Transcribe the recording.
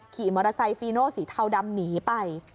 ขี่มอเตอร์ไซค์ฟีโนสีเทาดำหนีไป